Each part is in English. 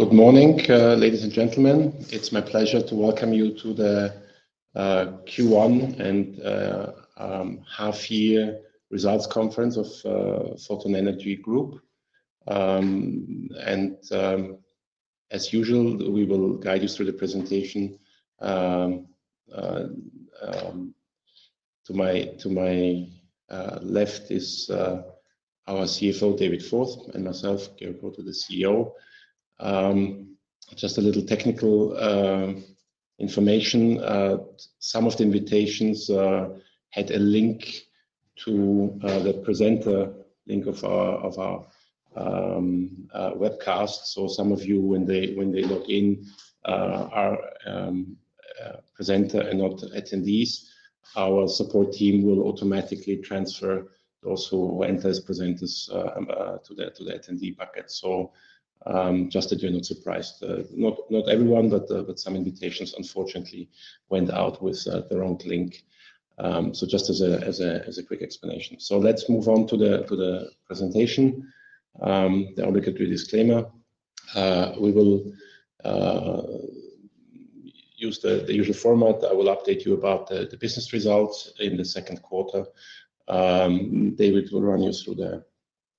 Good morning, ladies and gentlemen. It's my pleasure to welcome you to the Q1 and half-year results conference of Photon Energy Group. As usual, we will guide you through the presentation. To my left is our CFO, David Forth, and myself, Georg Hotar, the CEO. Just a little technical information. Some of the invitations had a link to that presenter link of our webcast. Some of you, when you log in, are presenter and not attendees. Our support team will automatically transfer those who enter as presenters to the attendee bucket, so just that you're not surprised. Not everyone, but some invitations unfortunately went out with the wrong link, just as a quick explanation. Let's move on to the presentation. I'll look at the disclaimer. We will use the usual format. I will update you about the business results in the second quarter. David will run you through the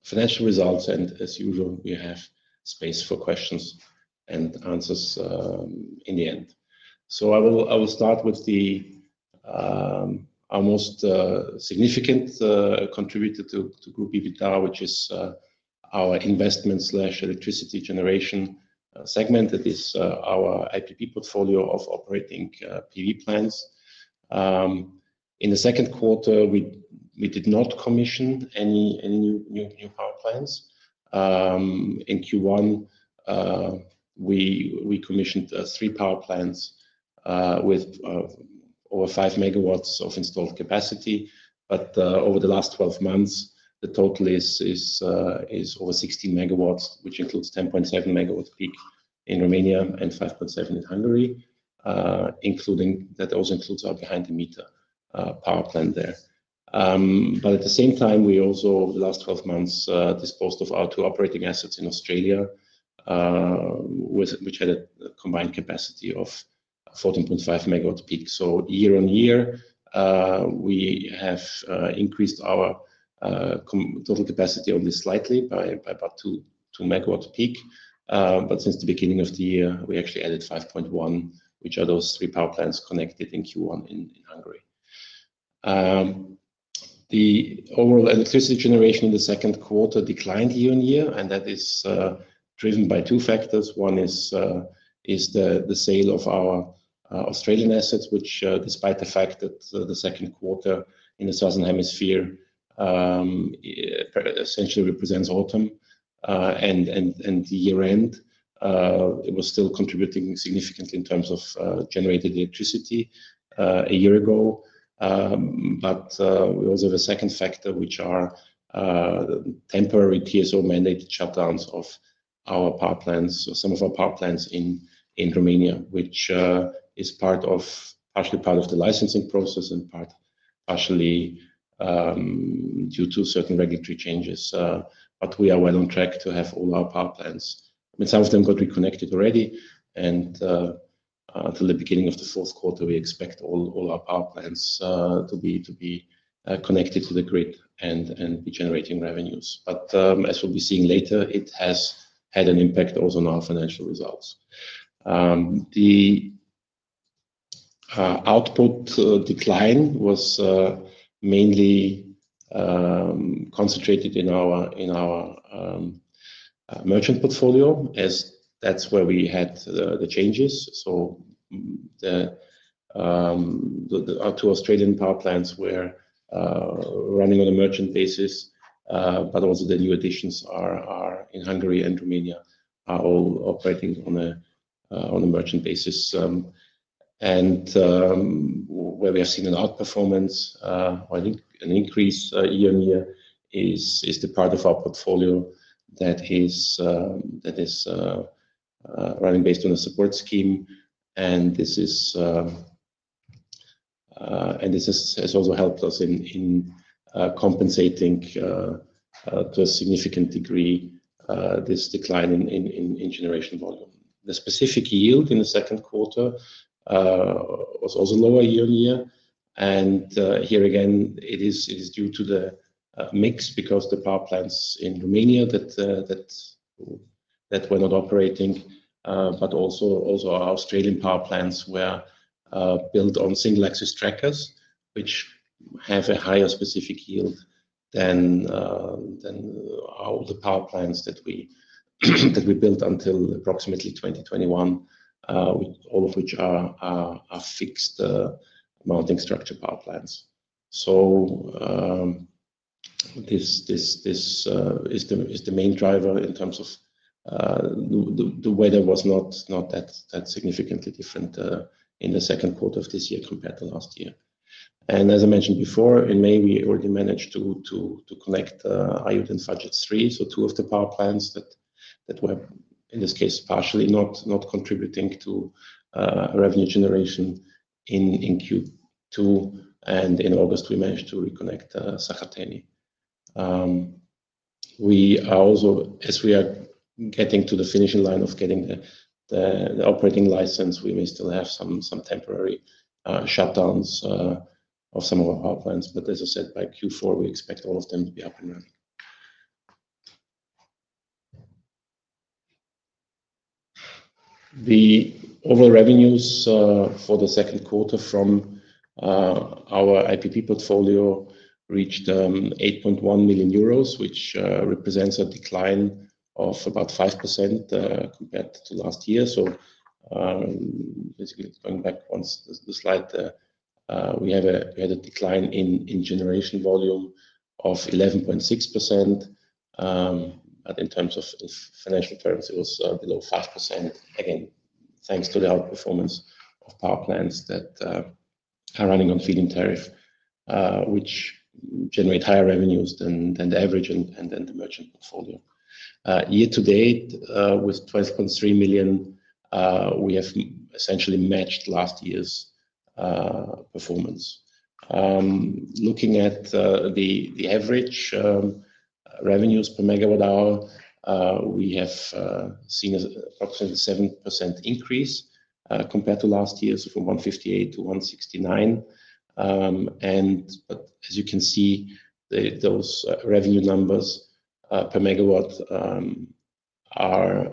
financial results. As usual, we have space for questions and answers in the end. I will start with our most significant contributor to Group EBITDA, which is our investment/electricity generation segment. That is our IPP portfolio of operating PV plants. In the second quarter, we did not commission any new power plants. In Q1, we commissioned three power plants with over 5 megawatts of installed capacity. Over the last 12 months, the total is over 16 megawatts, which includes 10.7 megawatts peak in Romania and 5.7 in Hungary, including that also includes our behind-the-meter power plant there. At the same time, over the last 12 months, we also disposed of our two operating assets in Australia, which had a combined capacity of 14.5 megawatts peak. Year on year, we have increased our total capacity only slightly by about 2 megawatts peak. Since the beginning of the year, we actually added 5.1, which are those three power plants connected in Q1 in Hungary. The overall electricity generation in the second quarter declined year on year. That is driven by two factors. One is the sale of our Australian assets, which, despite the fact that the second quarter in the southern hemisphere essentially represents autumn and the year-end, was still contributing significantly in terms of generated electricity a year ago. We also have a second factor, which is temporary TSO-mandated shutdowns of our power plants, or some of our power plants in Romania, which is partially part of the licensing process and partially due to certain regulatory changes. We are well on track to have all our power plants—some of them got reconnected already. Till the beginning of the fourth quarter, we expect all our power plants to be connected to the grid and generating revenues. As we'll be seeing later, it has had an impact also on our financial results. The output decline was mainly concentrated in our merchant portfolio, as that's where we had the changes. Our two Australian power plants were running on a merchant basis, but also the new additions in Hungary and Romania are all operating on a merchant basis. Where we are seeing an outperformance, or an increase year on year, is the part of our portfolio that is running based on a support scheme. This has also helped us in compensating, to a significant degree, this decline in generation volume. The specific yield in the second quarter was also lower year on year. Here again, it is due to the mix because the power plants in Romania that were not operating, but also our Australian power plants were built on single-axis trackers, which have a higher specific yield than all the power plants that we built until approximately 2021, all of which are fixed mounting structure power plants. This is the main driver in terms of the weather, which was not that significantly different in the second quarter of this year compared to last year. As I mentioned before, in May, we already managed to collect Aiud and Făget 3, so two of the power plants that were, in this case, partially not contributing to revenue generation in Q2. In August, we managed to reconnect Săhăteni. We are also, as we are getting to the finishing line of getting the operating license, we may still have some temporary shutdowns of some of our power plants. As I said, by Q4, we expect all of them to be up and running. The overall revenues for the second quarter from our IPP portfolio reached €8.1 million, which represents a decline of about 5% compared to last year. Basically, going back one slide, we had a decline in generation volume of 11.6%, but in financial terms, it was below 5%. Again, thanks to the outperformance of power plants that are running on feeding tariff, which generate higher revenues than the average and the merchant portfolio. Year to date, with €12.3 million, we have essentially matched last year's performance. Looking at the average revenues per megawatt hour, we have seen an approximately 7% increase compared to last year's, from €158 to €169. As you can see, those revenue numbers per megawatt are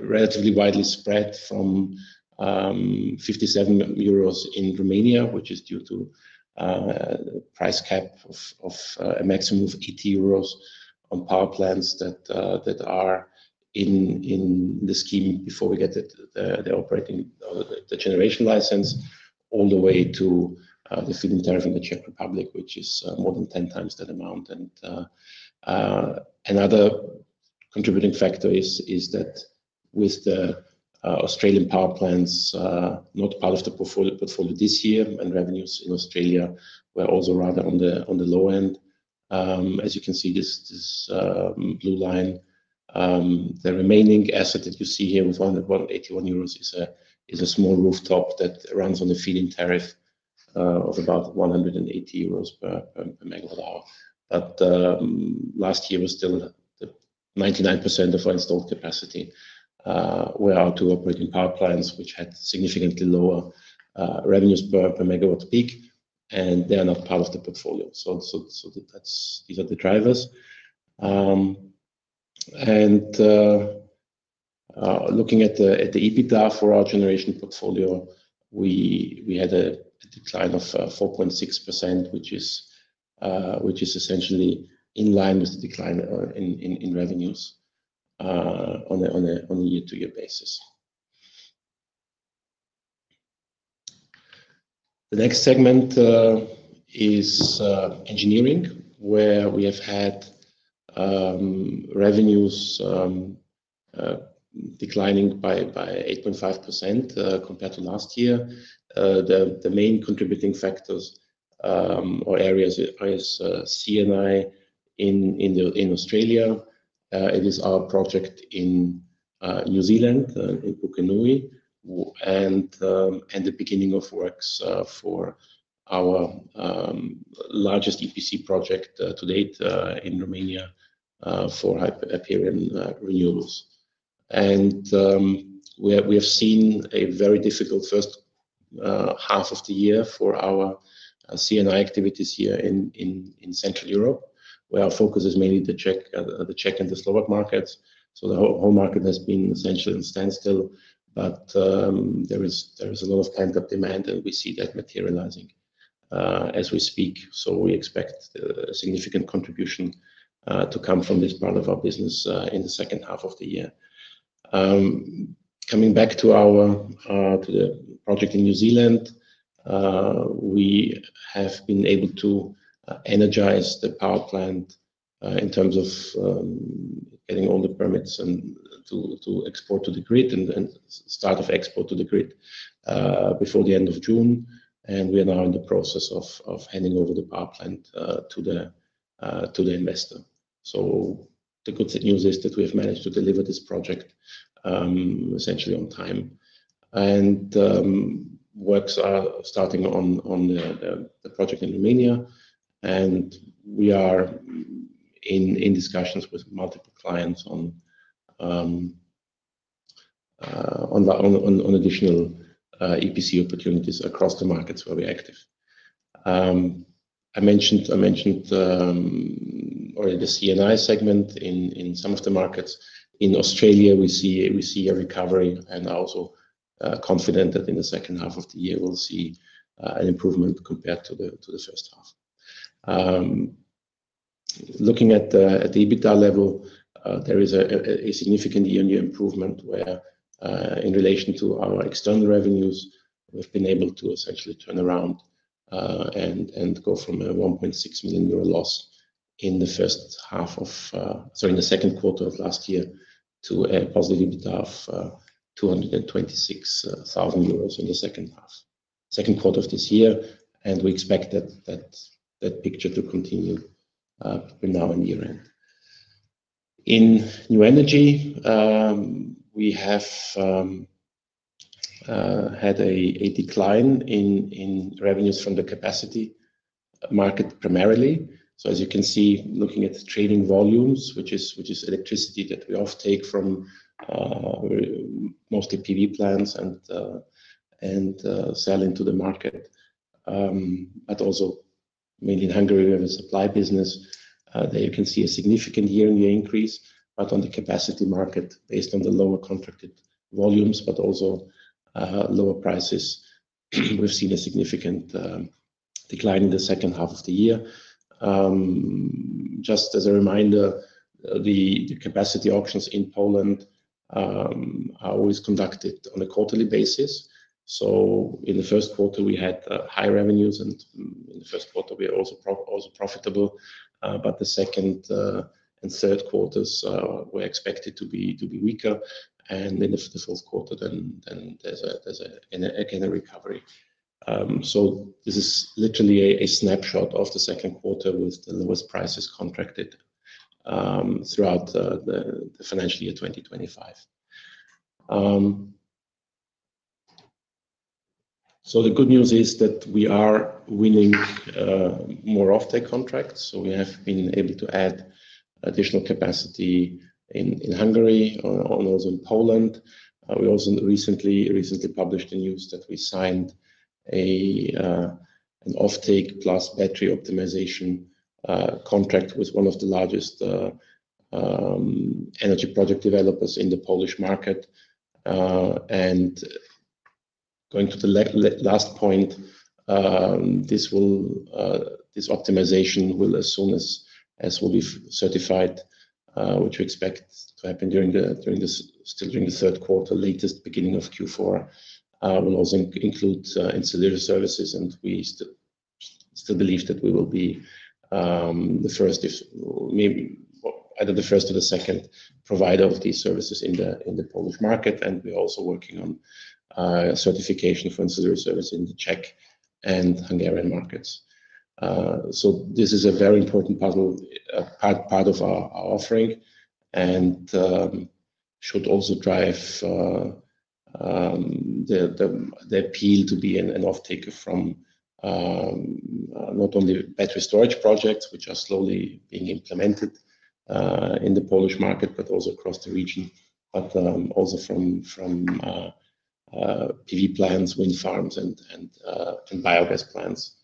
relatively widely spread, from €57 in Romania, which is due to a price cap of a maximum of €80 on power plants that are in the scheme before we get the operating or the generation license, all the way to the feeding tariff in the Czech Republic, which is more than 10 times that amount. Another contributing factor is that with the Australian power plants not part of the portfolio this year, and revenues in Australia were also rather on the low end. As you can see, this blue line, the remaining asset that you see here with one of about €81, is a small rooftop that runs on the feeding tariff of about €180 per megawatt hour. Last year, 99% of our installed capacity were our two operating power plants, which had significantly lower revenues per megawatt peak, and they're not part of the portfolio. These are the drivers. Looking at the EBITDA for our generation portfolio, we had a decline of 4.6%, which is essentially in line with the decline in revenues on a year-to-year basis. The next segment is engineering, where we have had revenues declining by 8.5% compared to last year. The main contributing factors or areas are CNI in Australia, our project in New Zealand in Pukenui, and the beginning of works for our largest EPC project to date in Romania for Hyperion Renewables. We have seen a very difficult first half of the year for our CNI activities here in Central Europe, where our focus is mainly the Czech and the Slovak markets. The whole market has been essentially on standstill. There is a lot of pent-up demand, and we see that materializing, as we speak. We expect a significant contribution to come from this part of our business in the second half of the year. Coming back to the project in New Zealand, we have been able to energize the power plant, in terms of getting all the permits and to export to the grid and start export to the grid before the end of June. We are now in the process of handing over the power plant to the investor. The good news is that we have managed to deliver this project essentially on time. Works are starting on the project in Romania, and we are in discussions with multiple clients on additional EPC opportunities across the markets where we're active. I mentioned already the CNI segment in some of the markets. In Australia, we see a recovery and are also confident that in the second half of the year, we'll see an improvement compared to the first half. Looking at the EBITDA level, there is a significant year-on-year improvement where, in relation to our external revenues, we've been able to essentially turn around and go from a €1.6 million loss in the second quarter of last year to a positive EBITDA of €226,000 in the second quarter of this year. We expect that picture to continue between now and year-end. In new energy, we have had a decline in revenues from the capacity market primarily. As you can see, looking at trading volumes, which is electricity that we all take from mostly PV plants and sell into the market, but also mainly in Hungary, we have a supply business. There you can see a significant year-on-year increase, but on the capacity market, based on the lower contracted volumes but also lower prices, we've seen a significant decline in the second half of the year. Just as a reminder, the capacity auctions in Poland are always conducted on a quarterly basis. In the first quarter, we had high revenues, and in the first quarter, we were also profitable. The second and third quarters were expected to be weaker, and in the fourth quarter, there's a recovery. This is literally a snapshot of the second quarter with the lowest prices contracted throughout the financial year 2025. The good news is that we are winning more off-take contracts. We have been able to add additional capacity in Hungary and also in Poland. We also recently published the news that we signed an off-take plus battery optimization contract with one of the largest energy project developers in the Polish market. Going to the last point, this optimization will, as soon as we are certified, which we expect to happen still during the third quarter, latest beginning of Q4, also include ancillary services. We still believe that we will be the first, if not the first then maybe the second, provider of these services in the Polish market. We are also working on certification for ancillary services in the Czech and Hungarian markets. This is a very important part of our offering and should also drive the appeal to be an off-taker from not only battery storage projects, which are slowly being implemented in the Polish market and also across the region, but also from PV plants, wind farms, and biogas plants,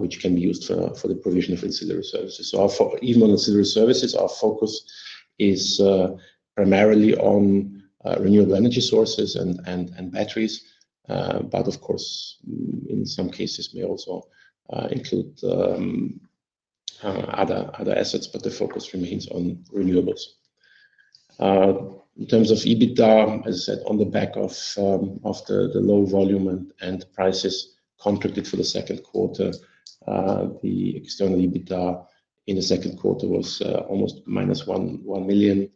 which can be used for the provision of ancillary services. Our focus, even on ancillary services, is primarily on renewable energy sources and batteries. Of course, in some cases, it may also include other assets, but the focus remains on renewables. In terms of EBITDA, as I said, on the back of the low volume and prices contracted for the second quarter, the external EBITDA in the second quarter was almost minus €1 million,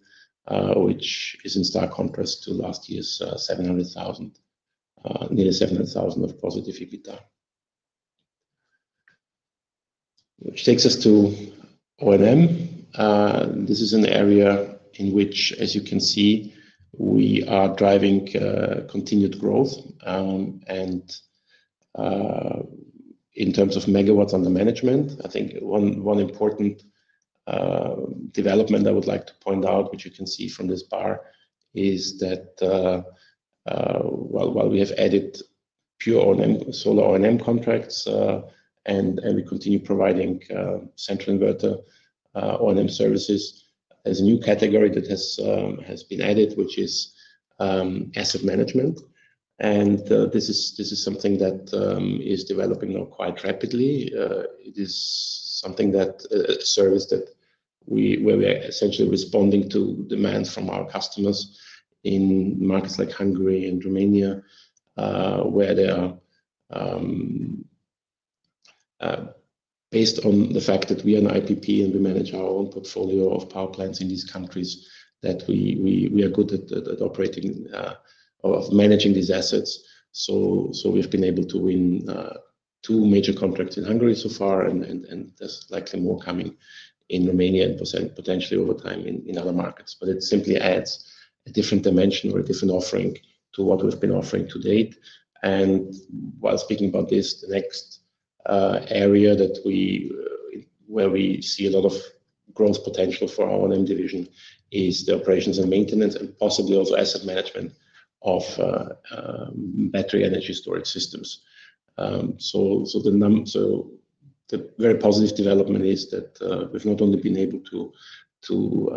which is in stark contrast to last year's nearly €700,000 of positive EBITDA. Which takes us to O&M. This is an area in which, as you can see, we are driving continued growth. In terms of megawatts under management, I think one important development I would like to point out, which you can see from this bar, is that while we have added pure O&M, solar O&M contracts, and we continue providing central inverter O&M services, there is a new category that has been added, which is asset management. This is something that is developing now quite rapidly. It is something that, a service that we, where we are essentially responding to demands from our customers in markets like Hungary and Romania, where they are, based on the fact that we are an IPP and we manage our own portfolio of power plants in these countries that we are good at operating, of managing these assets. We have been able to win two major contracts in Hungary so far, and there's likely more coming in Romania and potentially over time in other markets. It simply adds a different dimension or a different offering to what we've been offering to date. While speaking about this, the next area where we see a lot of growth potential for our O&M division is the operations and maintenance and possibly also asset management of battery energy storage systems. The very positive development is that we've not only been able to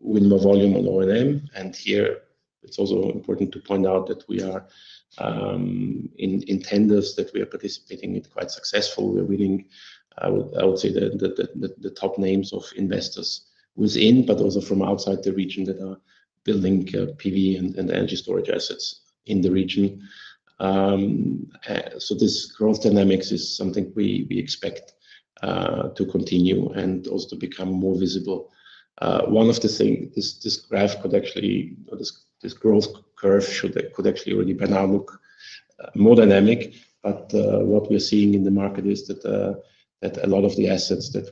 win more volume on O&M, and here it's also important to point out that we are, in tenders that we are participating in quite successfully. We are winning, I would say, the top names of investors within, but also from outside the region that are building PV and energy storage assets in the region. This growth dynamics is something we expect to continue and also become more visible. One of the things, this graph could actually, or this growth curve could actually already by now look more dynamic. What we are seeing in the market is that a lot of the assets where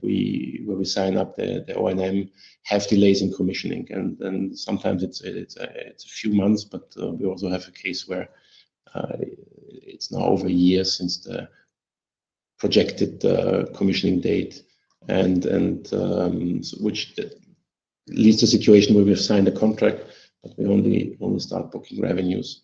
we sign up the O&M have delays in commissioning. Sometimes it's a few months, but we also have a case where it's now over a year since the projected commissioning date, which leads to a situation where we've signed a contract, but we only start booking revenues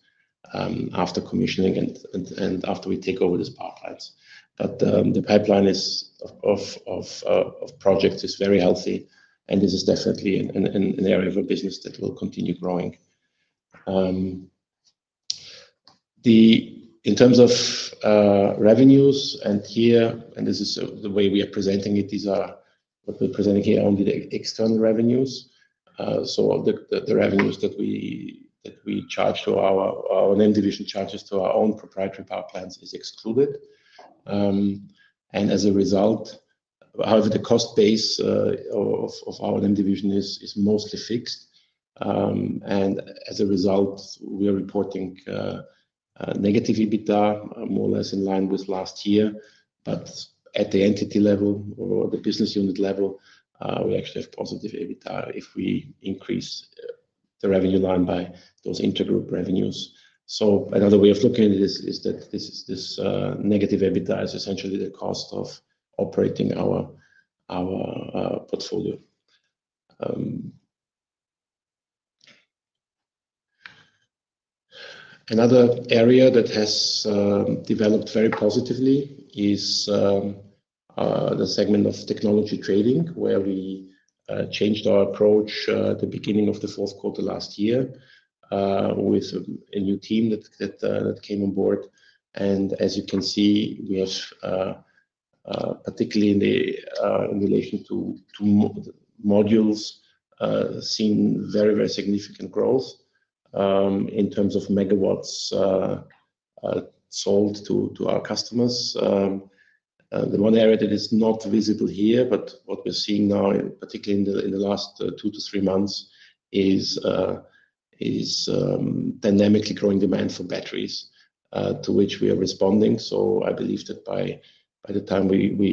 after commissioning and after we take over these power plants. The pipeline of projects is very healthy. This is definitely an area of our business that will continue growing. In terms of revenues, and this is the way we are presenting it, these are what we're presenting here, are only the external revenues. The revenues that our O&M division charges to our own proprietary power plants is excluded. As a result, however, the cost base of our O&M division is mostly fixed. As a result, we are reporting negative EBITDA, more or less in line with last year. At the entity level or the business unit level, we actually have positive EBITDA if we increase the revenue line by those intergroup revenues. Another way of looking at it is that this negative EBITDA is essentially the cost of operating our portfolio. Another area that has developed very positively is the segment of technology trading, where we changed our approach at the beginning of the fourth quarter last year with a new team that came on board. As you can see, we have, particularly in relation to modules, seen very significant growth in terms of megawatts sold to our customers. The one area that is not visible here, but what we're seeing now, particularly in the last two to three months, is dynamically growing demand for batteries, to which we are responding. I believe that by the time we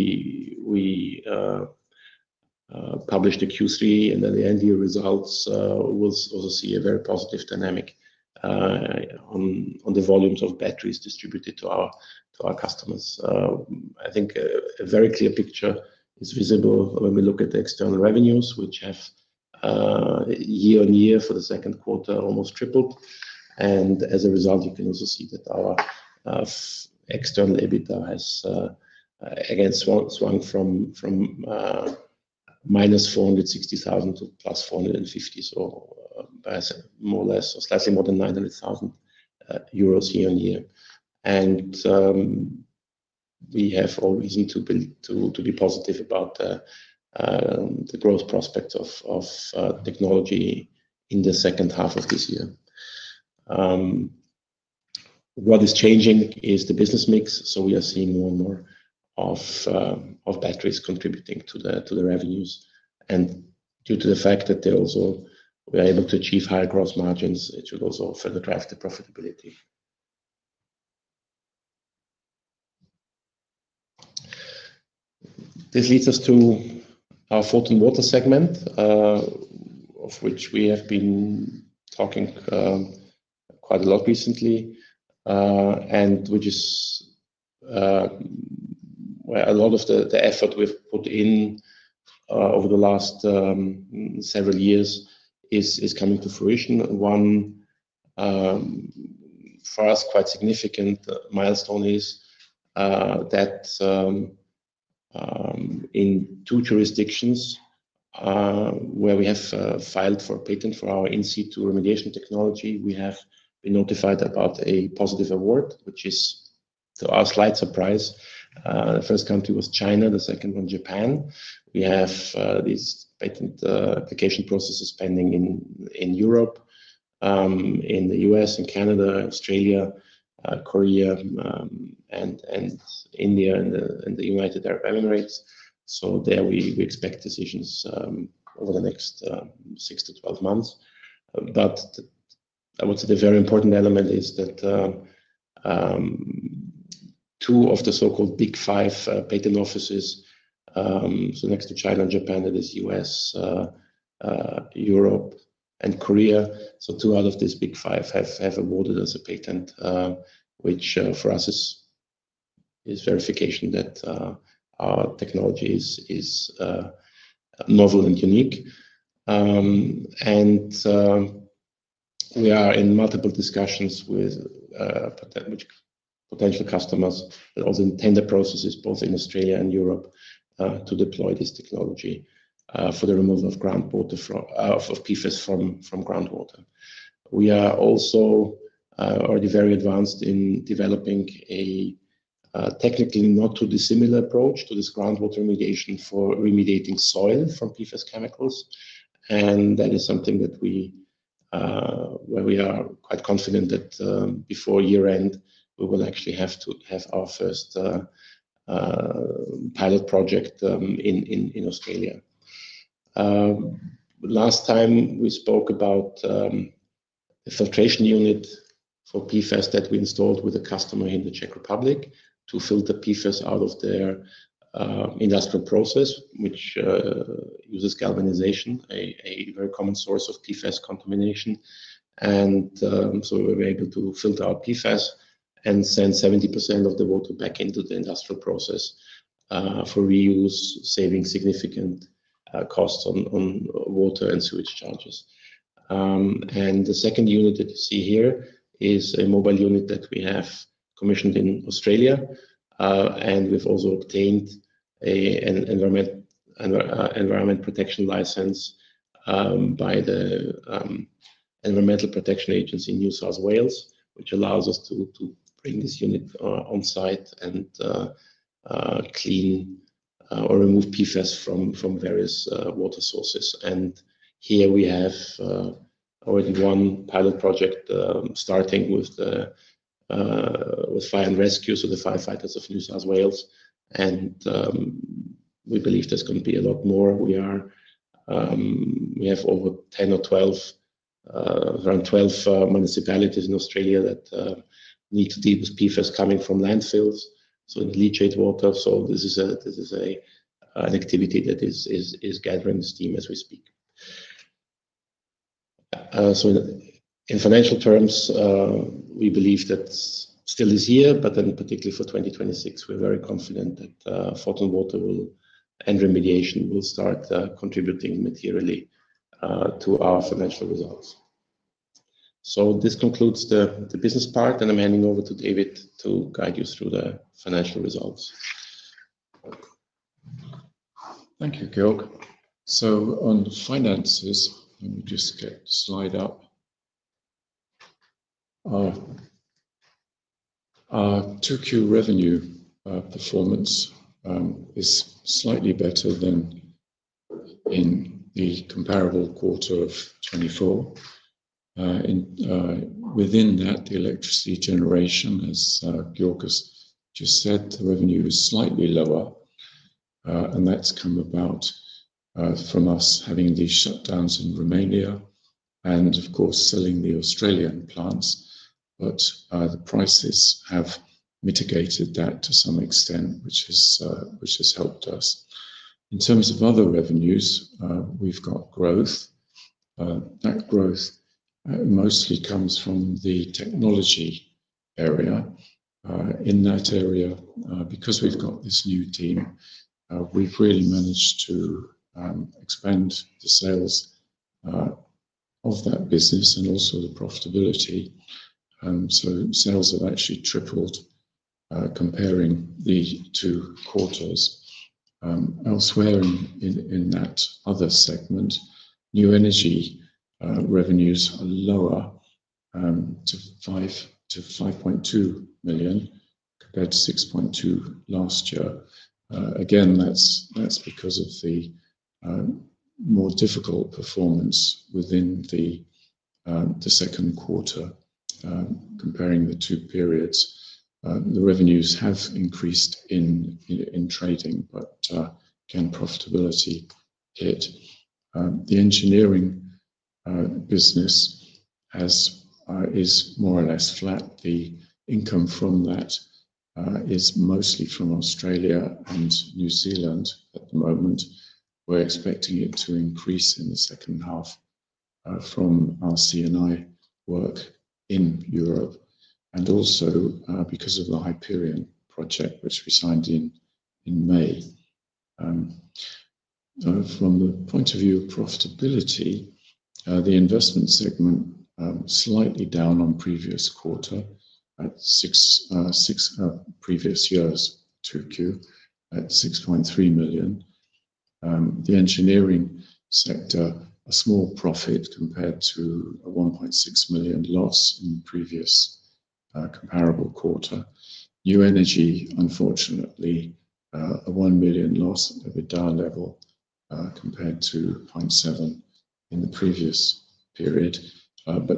publish the Q3 and then the end-year results, we'll also see a very positive dynamic on the volumes of batteries distributed to our customers. I think a very clear picture is visible when we look at the external revenues, which have, year on year for the second quarter, almost tripled. As a result, you can also see that our external EBITDA has again swung from minus €460,000 to plus €450,000, so more or less, I'd say more than €900,000 year on year. We have all we need to be positive about the growth prospects of technology in the second half of this year. What is changing is the business mix. We are seeing more and more of batteries contributing to the revenues. Due to the fact that we are able to achieve higher gross margins, it should also further drive the profitability. This leads us to our Photon Water segment, of which we have been talking quite a lot recently and where a lot of the effort we've put in over the last several years is coming to fruition. One, for us, quite significant milestone is that in two jurisdictions where we have filed for a patent for our in-situ remediation technology, we have been notified about a positive award, which is to our slight surprise. The first country was China, the second one, Japan. We have these patent application processes pending in Europe, in the U.S., in Canada, Australia, Korea, India, and the United Arab Emirates. We expect decisions over the next 6 to 12 months. I would say the very important element is that two of the so-called Big Five patent offices, so next to China and Japan, that is U.S., Europe, and Korea. Two out of these Big Five have awarded us a patent, which for us is verification that our technology is novel and unique. We are in multiple discussions with potential customers and also in tender processes, both in Australia and Europe, to deploy this technology for the removal of PFAS from groundwater. We are also already very advanced in developing a technically not too dissimilar approach to this groundwater remediation for remediating soil from PFAS chemicals. That is something where we are quite confident that before year-end, we will actually have our first pilot project in Australia. Last time we spoke about the filtration unit for PFAS that we installed with a customer in the Czech Republic to filter PFAS out of their industrial process, which uses galvanization, a very common source of PFAS contamination. We were able to filter out PFAS and send 70% of the water back into the industrial process for reuse, saving significant costs on water and sewage charges. The second unit that you see here is a mobile unit that we have commissioned in Australia. We've also obtained an environment protection license by the Environmental Protection Agency in New South Wales, which allows us to bring this unit on-site and clean or remove PFAS from various water sources. Here we have already one pilot project starting with fire and rescue, so the firefighters of New South Wales. We believe there's going to be a lot more. We have over 10 or 12, around 12, municipalities in Australia that need to deal with PFAS coming from landfills, so in leachate water. This is an activity that is gathering steam as we speak. In financial terms, we believe that still this year, but then particularly for 2026, we're very confident that Photon Water and remediation will start contributing materially to our financial results. This concludes the business part, and I'm handing over to David to guide you through the financial results. Thank you, Georg. On the finances, let me just get a slide up. Our Q2 revenue performance is slightly better than in the comparable quarter of 2024. Within that, the electricity generation, as Georg just said, the revenue is slightly lower. That's come about from us having these shutdowns in Romania and, of course, selling the Australian plants. The prices have mitigated that to some extent, which has helped us. In terms of other revenues, we've got growth. That growth mostly comes from the technology area. In that area, because we've got this new team, we've really managed to expand the sales of that business and also the profitability. Sales have actually tripled, comparing the two quarters. Elsewhere in that other segment, new energy, revenues are lower, to €5 million-€5.2 million compared to €6.2 million last year. That's because of the more difficult performance within the second quarter, comparing the two periods. The revenues have increased in trading, but profitability hit. The engineering business is more or less flat. The income from that is mostly from Australia and New Zealand at the moment. We're expecting it to increase in the second half from our CNI work in Europe and also because of the Hyperion Renewables project, which we signed in May. From the point of view of profitability, the investment segment is slightly down on previous quarter at €6 million, previous year's Q2 at €6.3 million. The engineering sector, a small profit compared to a €1.6 million loss in previous comparable quarter. New energy, unfortunately, a €1 million loss at the down level, compared to €0.7 million in the previous period.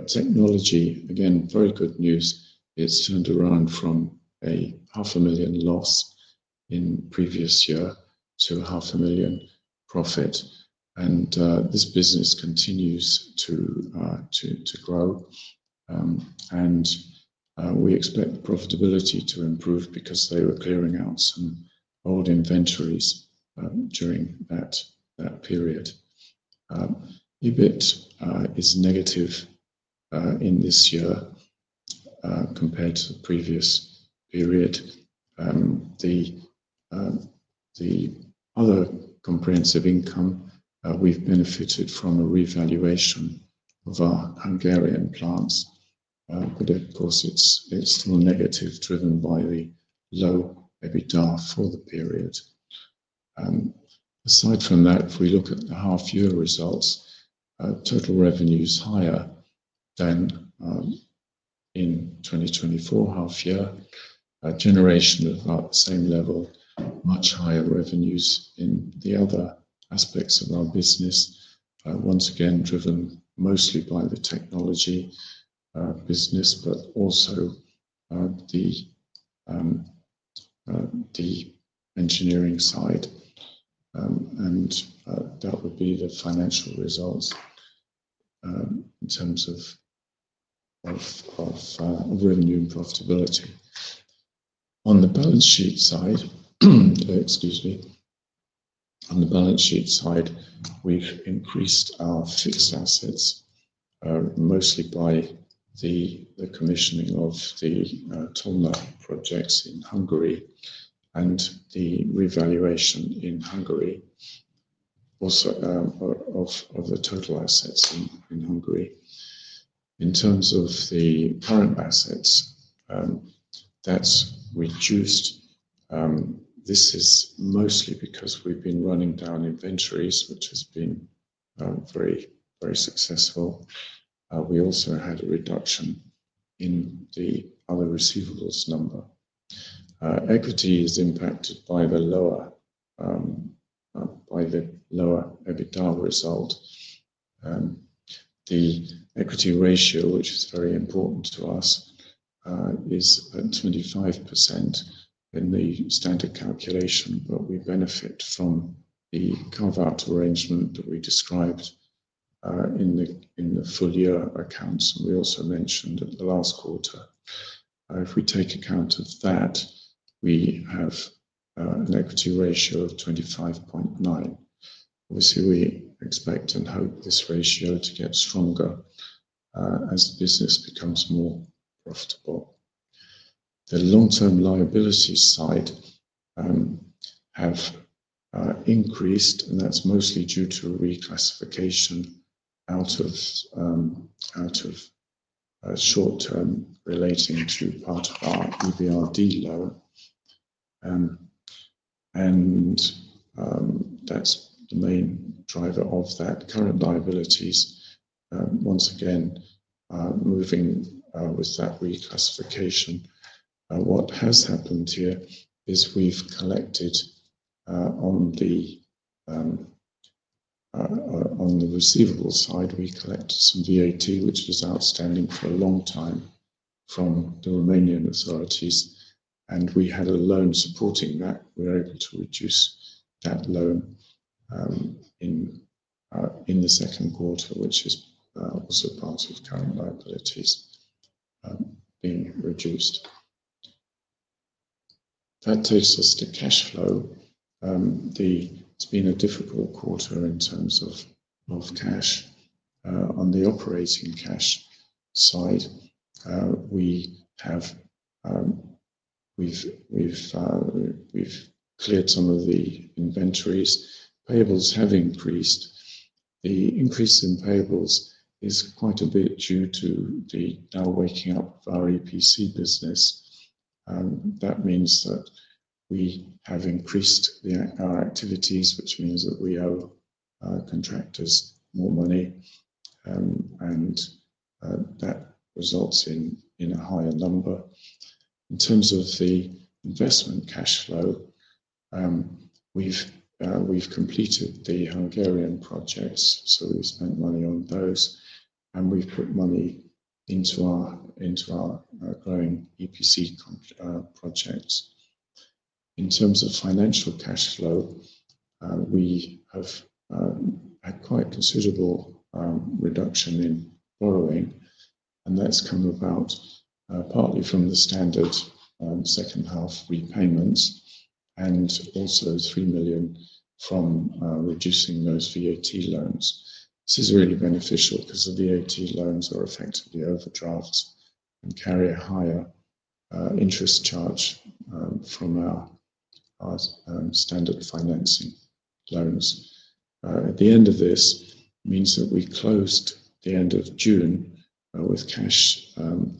Technology, again, very good news. It's turned around from a half a million loss in the previous year to a half a million profit. This business continues to grow, and we expect the profitability to improve because they were clearing out some old inventories during that period. EBIT is negative in this year compared to the previous period. The other comprehensive income, we've benefited from a revaluation of our Hungarian plants, but of course, it's still negative driven by the low EBITDA for the period. Aside from that, if we look at the half-year results, total revenue is higher than in 2024 half-year. Generation is about the same level, much higher revenues in the other aspects of our business. Once again, driven mostly by the technology business, but also the engineering side. That would be the financial results, in terms of revenue and profitability. On the balance sheet side, we've increased our fixed assets, mostly by the commissioning of the Tolna projects in Hungary and the revaluation in Hungary, also of the total assets in Hungary. In terms of the current assets, that's reduced. This is mostly because we've been running down inventories, which has been very, very successful. We also had a reduction in the other receivables number. Equity is impacted by the lower EBITDA result. The equity ratio, which is very important to us, is at 25% in the standard calculation, but we benefit from the carve-out arrangement that we described in the full-year accounts we also mentioned in the last quarter. If we take account of that, we have an equity ratio of 25.9%. Obviously, we expect and hope this ratio to get stronger as the business becomes more profitable. The long-term liability side has increased, and that's mostly due to a reclassification out of short-term relating to part of our EBRD loan. That's the main driver of that. Current liabilities, once again, moving with that reclassification. What has happened here is we've collected, on the receivable side, we collected some VAT, which was outstanding for a long time from the Romanian authorities. We had a loan supporting that. We're able to reduce that loan in the second quarter, which is also part of the current liabilities being reduced. That takes us to cash flow. It's been a difficult quarter in terms of cash. On the operating cash side, we've cleared some of the inventories. Payables have increased. The increase in payables is quite a bit due to the now waking up of our EPC business. That means that we have increased the activities, which means that we owe contractors more money, and that results in a higher number. In terms of the investment cash flow, we've completed the Hungarian projects, so we've spent money on those, and we've put money into our growing EPC projects. In terms of financial cash flow, we have had quite a considerable reduction in borrowing, and that's come about partly from the standard second half repayments and also €3 million from reducing those VAT loans. This is really beneficial because the VAT loans are effectively overdrafts and carry a higher interest charge from our standard financing loans. At the end of this, it means that we closed the end of June with cash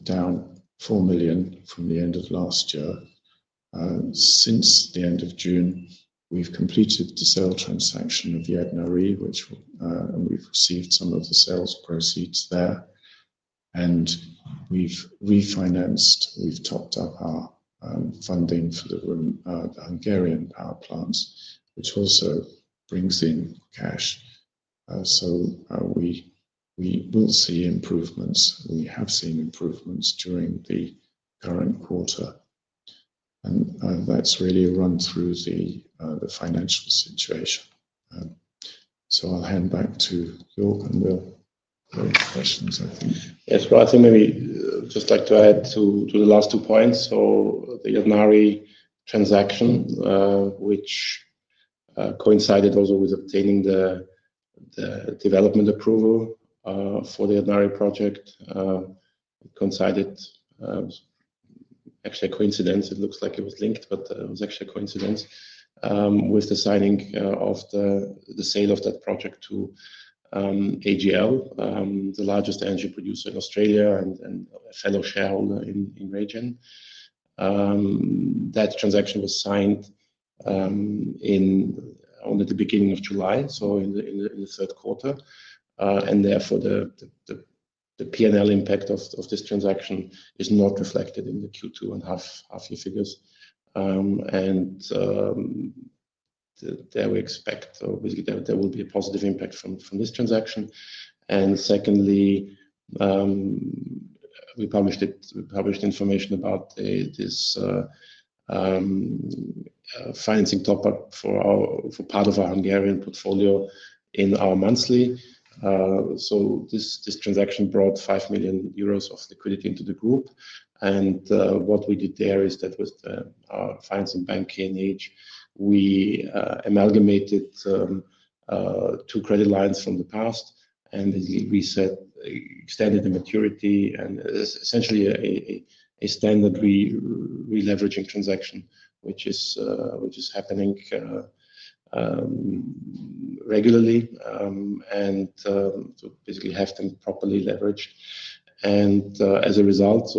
down €4 million from the end of last year. Since the end of June, we've completed the sale transaction of the Yadnarie, and we've received some of the sales proceeds there. We've refinanced. We've topped up our funding for the Hungarian power plants, which also brings in cash. We will see improvements. We have seen improvements during the current quarter. That's really run through the financial situation. I'll hand back to Georg and we'll close the sessions, I think. I think maybe I'd just like to add to the last two points. The Yadnarie transaction, which coincided also with obtaining the development approval for the Yadnarie project, was actually a coincidence. It looks like it was linked, but it was actually a coincidence with the signing of the sale of that project to AGL, the largest energy producer in Australia and a fellow shareholder in the region. That transaction was signed in only the beginning of July, so in the third quarter. Therefore, the P&L impact of this transaction is not reflected in the Q2 and half-year figures. We expect obviously that there will be a positive impact from this transaction. Secondly, we published information about this financing top up for part of our Hungarian portfolio in our monthly. This transaction brought €5 million of liquidity into the group. What we did there is that with our finance and bank, K&H Bank, we amalgamated two credit lines from the past and basically reset, extended the maturity and essentially a standard re-leveraging transaction, which is happening regularly, to basically have them properly leverage. As a result,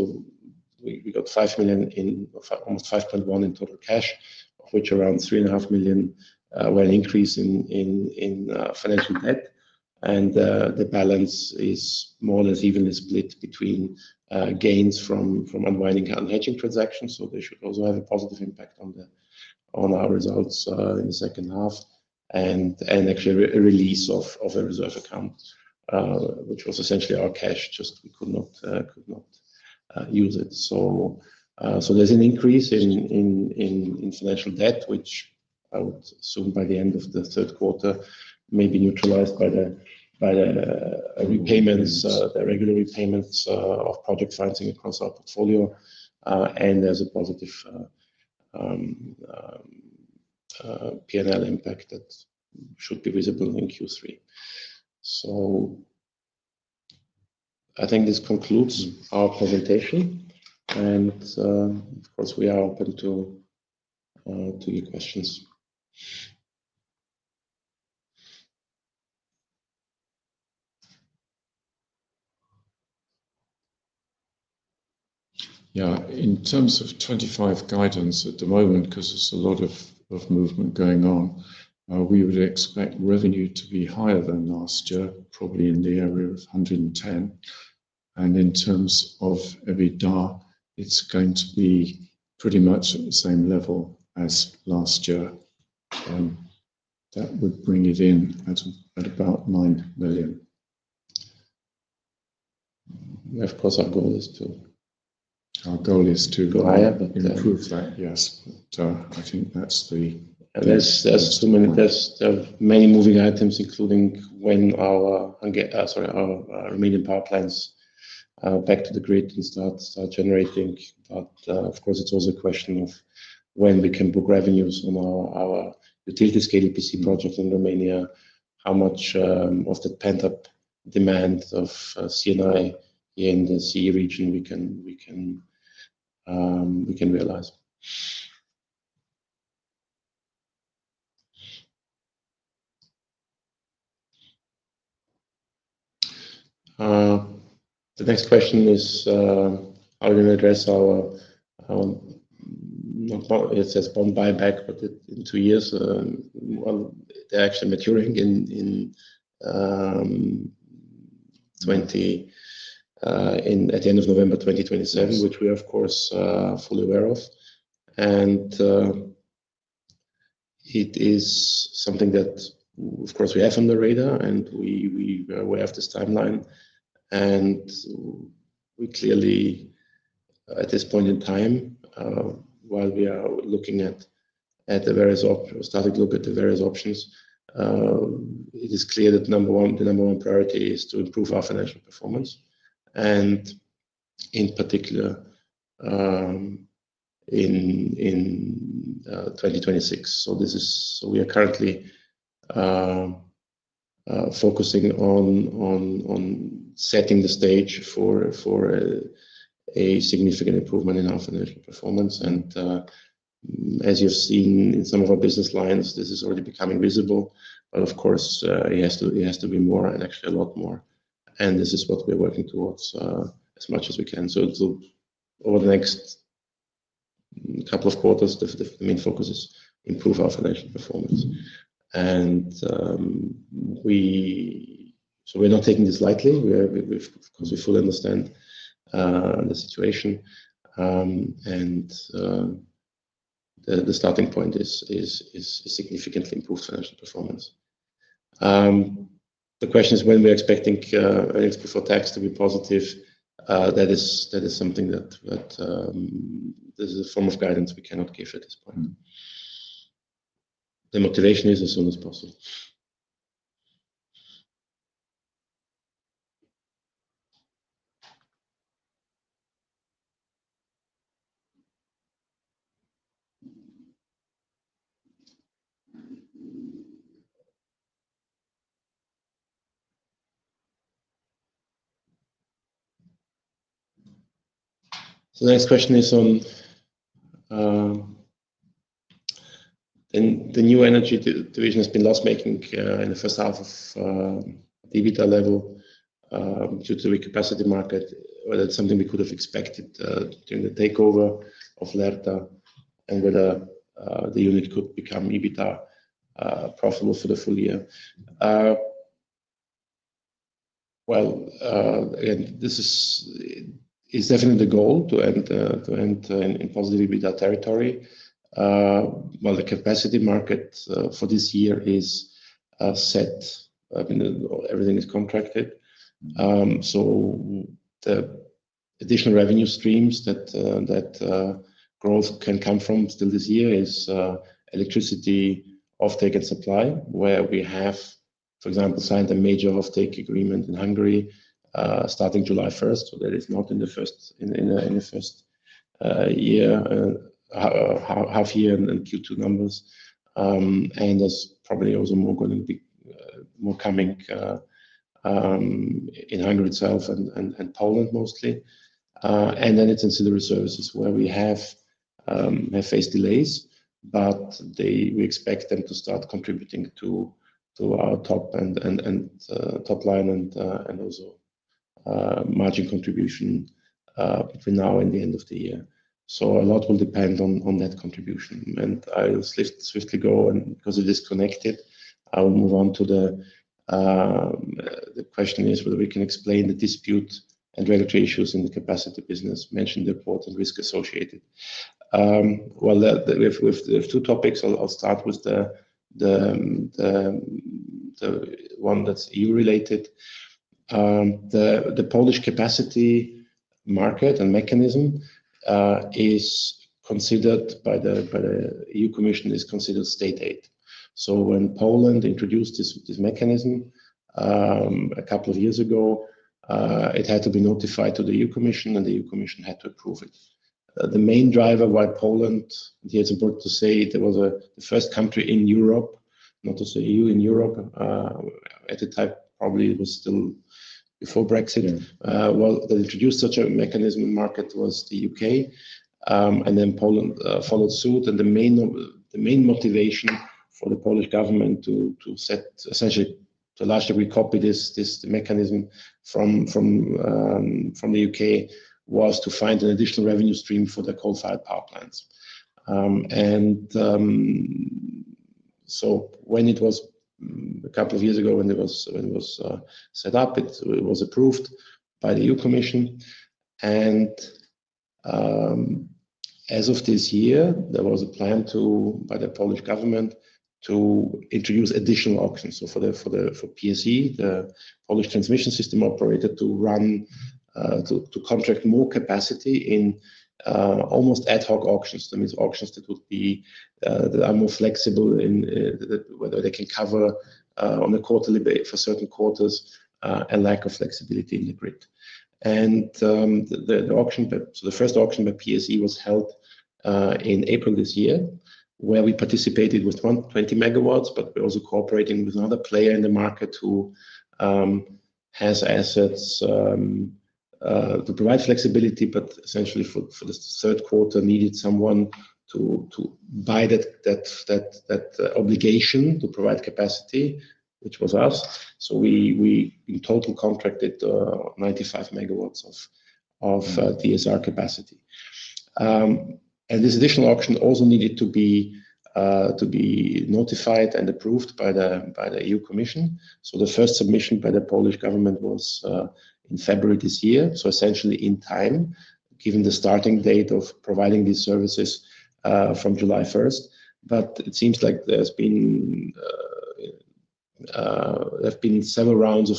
we got €5 million, almost €5.1 million in total cash, of which around €3.5 million were an increase in financial debt. The balance is more or less evenly split between gains from unwinding and hedging transactions, so they should also have a positive impact on our results in the second half, and actually a release of a reserve account, which was essentially our cash, just could not use it. There's an increase in financial debt, which I would assume by the end of the third quarter may be neutralized by the repayments, the regular repayments of project financing across our portfolio. There's a positive P&L impact that should be visible in Q3. I think this concludes our presentation. Of course, we are open to your questions. Yeah. In terms of 2025 guidance at the moment, because there's a lot of movement going on, we would expect revenue to be higher than last year, probably in the area of €110 million. In terms of EBITDA, it's going to be pretty much at the same level as last year. That would bring it in at about €9 million. Our goal is to... Go higher. ...improve that. Yes, I think that's the... There are many moving items, including when our Romanian power plants are back to the grid and start generating. Of course, it's also a question of when we can book revenues from our digital scale EPC project in Romania, and how much of the pent-up demand of CNI here in the CE region we can realize. The next question is, are we going to address our bond buyback, but in two years? They're actually maturing at the end of November 2027, which we are, of course, fully aware of. It is something that we have on the radar, and we are aware of this timeline. At this point in time, while we are starting to look at the various options, it is clear that the number one priority is to improve our financial performance, and in particular, in 2026. We are currently focusing on setting the stage for a significant improvement in our financial performance. As you've seen in some of our business lines, this is already becoming visible. Of course, it has to be more and actually a lot more. This is what we're working towards, as much as we can. Over the next couple of quarters, the main focus is to improve our financial performance. We're not taking this lightly, because we fully understand the situation. The starting point is a significantly improved financial performance. The question is when we're expecting earnings before tax to be positive. That is something that, this is a form of guidance we cannot give at this point. The motivation is as soon as possible. The next question is on the new energy division, which has been loss-making in the first half at the EBITDA level, due to the capacity market, whether it's something we could have expected during the takeover of Lerta and whether the unit could become EBITDA profitable for the full year. This is definitely the goal, to end in positive EBITDA territory. The capacity market for this year is set. Everything is contracted, so the additional revenue streams that growth can come from still this year is electricity off-take and supply, where we have, for example, signed a major off-take agreement in Hungary, starting July 1st. That is not in the first year, half-year and Q2 numbers. There's probably also more going to be, more coming, in Hungary itself and Poland mostly. It's in the reserves as well. We have faced delays, but we expect them to start contributing to our top line and also margin contribution between now and the end of the year. A lot will depend on that contribution. I'll swiftly go, and because it is connected, I will move on to the question whether we can explain the dispute and regulatory issues in the capacity business. Mentioned the port and risk associated. We have two topics. I'll start with the one that's EU-related. The Polish capacity market and mechanism is considered by the EU Commission as state aid. When Poland introduced this mechanism a couple of years ago, it had to be notified to the EU Commission, and the EU Commission had to approve it. The main driver why Poland, it is important to say, it was the first country in Europe, not to say EU in Europe, at the time, probably it was still before Brexit, that introduced such a mechanism in the market was the UK. Then Poland followed suit. The main motivation for the Polish government to set essentially the last year we copied this mechanism from the UK was to find an additional revenue stream for the coal-fired power plants. A couple of years ago, when it was set up, it was approved by the EU Commission. As of this year, there was a plan by the Polish government to introduce additional auctions. For PSE, the Polish transmission system operator, to run, to contract more capacity in almost ad hoc auctions. That means auctions that would be more flexible in whether they can cover on a quarterly basis for certain quarters, and lack of flexibility in the grid. The auction bit, so the first auction by PSE was held in April this year, where we participated with 120 megawatts, but we're also cooperating with another player in the market who has assets to provide flexibility, but essentially for the third quarter needed someone to buy that obligation to provide capacity, which was us. We, in total, contracted 95 megawatts of DSR capacity. This additional auction also needed to be notified and approved by the EU Commission. The first submission by the Polish government was in February this year, essentially in time given the starting date of providing these services from July 1. It seems like there have been several rounds of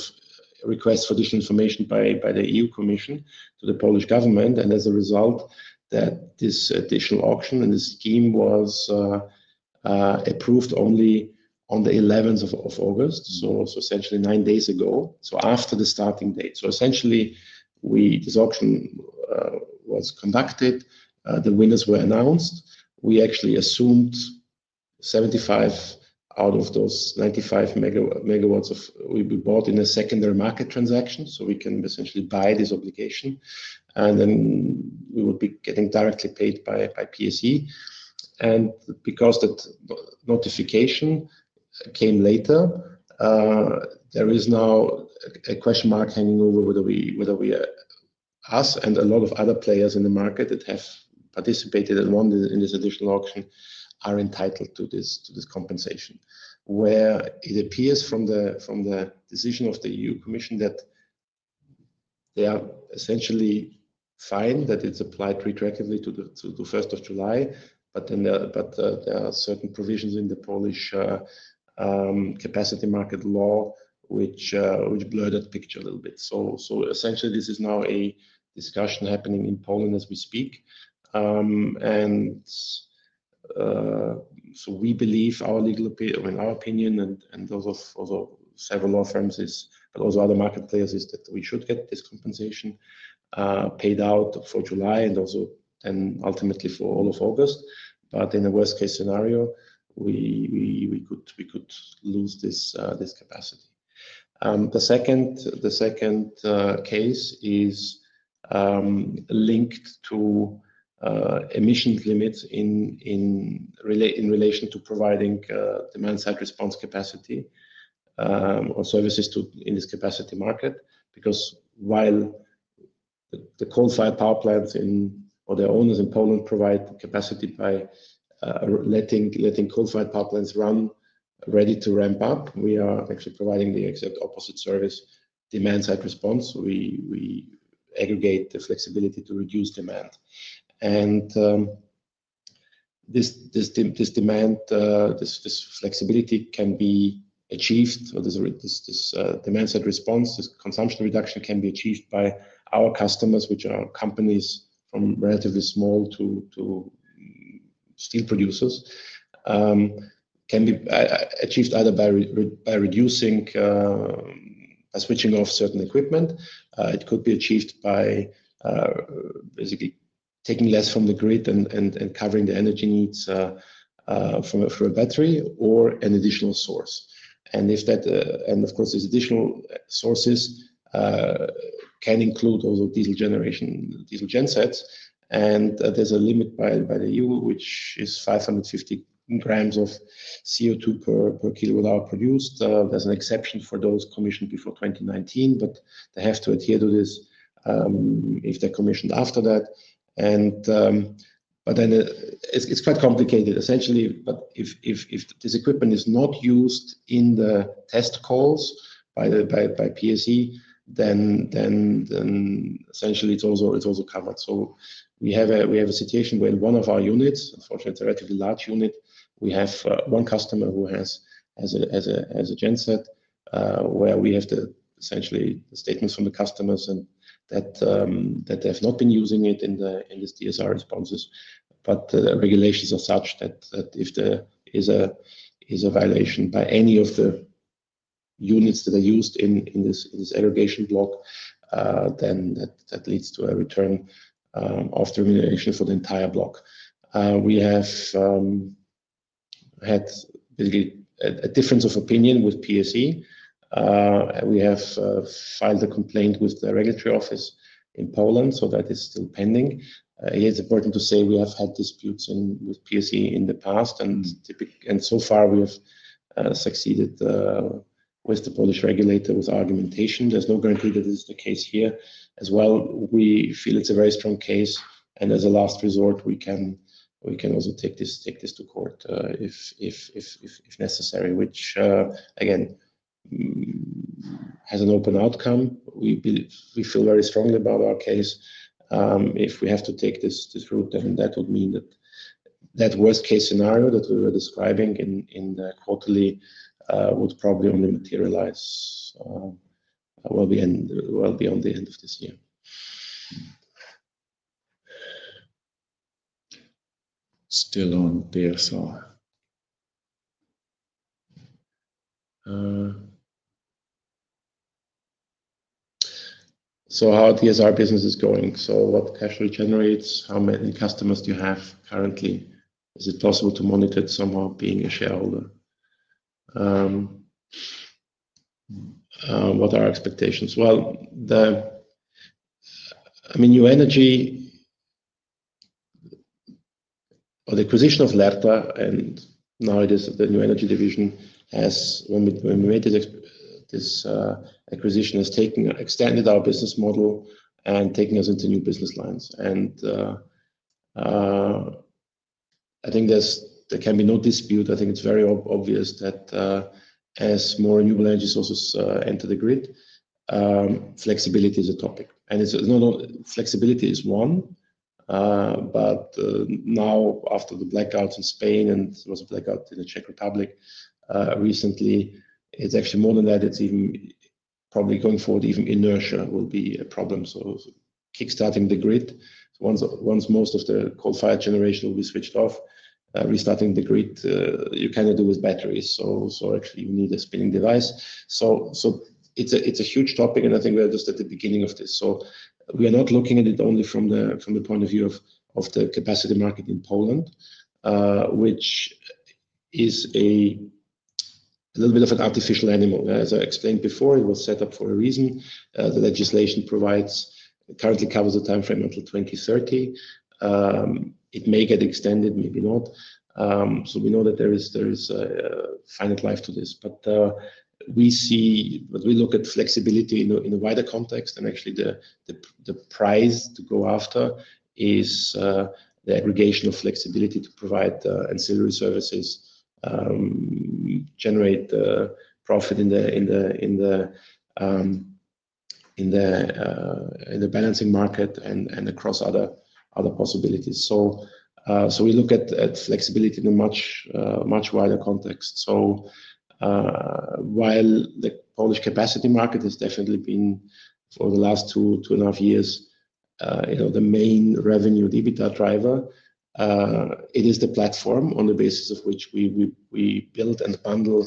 requests for additional information by the EU Commission to the Polish government. As a result, this additional auction and this scheme was approved only on August 11, so essentially nine days ago, after the starting date. This auction was conducted, the winners were announced, and we actually assumed 75 out of those 95 megawatts we bought in a secondary market transaction. We can essentially buy this obligation, and then we would be getting directly paid by PSE. Because that notification came later, there is now a question mark hanging over whether we, us and a lot of other players in the market that have participated and won in this additional auction, are entitled to this compensation. It appears from the decision of the EU Commission that they are essentially fine that it's applied retroactively to July 1, but there are certain provisions in the Polish capacity market law which will blur that picture a little bit. Essentially, this is now a discussion happening in Poland as we speak. We believe our legal opinion, and those of several law firms and also other market players, is that we should get this compensation paid out for July and ultimately for all of August. In a worst-case scenario, we could lose this capacity. The second case is linked to emissions limits in relation to providing demand-side response capacity or services in this capacity market. While the coal-fired power plants or their owners in Poland provide capacity by letting coal-fired power plants run ready to ramp up, we are actually providing the exact opposite service, demand-side response. We aggregate the flexibility to reduce demand, and this demand, this flexibility, can be achieved, or this demand-side response, this consumption reduction, can be achieved by our customers, which are companies from relatively small to steel producers. This can be achieved either by reducing, by switching off certain equipment. It could be achieved by basically taking less from the grid and covering the energy needs from a battery or an additional source. These additional sources can include also diesel generation, diesel gen sets. There's a limit by the EU, which is 550 grams of CO2 per kilowatt-hour produced. There's an exception for those commissioned before 2019, but they have to adhere to this if they're commissioned after that. It's quite complicated. Essentially, if this equipment is not used in the test calls by PSE, then it's also covered. We have a situation where in one of our units, unfortunately, it's a relatively large unit, we have one customer who has a gen set, where we have to essentially get the statements from the customers that they have not been using it in this DSR responses. The regulations are such that if there is a violation by any of the units that are used in this aggregation block, then that leads to a return of the regulation for the entire block. We have had basically a difference of opinion with PSE. We have filed a complaint with the regulatory office in Poland, so that is still pending. It is important to say we have had disputes with PSE in the past. Typically, and so far, we have succeeded with the Polish regulator with argumentation. There's no guarantee that this is the case here. We feel it's a very strong case. As a last resort, we can also take this to court if necessary, which again has an open outcome. We feel very strongly about our case. If we have to take this route, then that would mean that that worst-case scenario that we were describing in the quarterly would probably only materialize beyond the end of this year. Still on DSR. is the DSR business going? What cash flow does it generate? How many customers do you have currently? Is it possible to monitor it somehow being a shareholder? What are our expectations? The new energy or the acquisition of Lerta, and now it is the new energy division, has extended our business model and taken us into new business lines. I think there can be no dispute. I think it's very obvious that as more renewable energy sources enter the grid, flexibility is a topic. It's not only flexibility, but now after the blackouts in Spain and there was a blackout in the Czech Republic recently, it's actually more than that. It's even probably going forward, even inertia will be a problem. Kickstarting the grid once most of the coal-fired generation will be switched off, restarting the grid, you cannot do with batteries. You need a spinning device. It's a huge topic, and I think we are just at the beginning of this. We are not looking at it only from the point of view of the capacity market in Poland, which is a little bit of an artificial animal. As I explained before, it was set up for a reason. The legislation currently covers the timeframe until 2030. It may get extended, maybe not. We know that there is a silent life to this. We look at flexibility in a wider context. Actually, the prize to go after is the aggregation of flexibility to provide ancillary services, generate profit in the balancing market and across other possibilities. We look at flexibility in a much wider context. While the Polish capacity market has definitely been for the last two, two and a half years, the main revenue EBITDA driver, it is the platform on the basis of which we build and bundle